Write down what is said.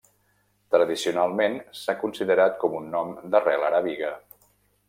Tradicionalment s'ha considerat com un nom d'arrel aràbiga.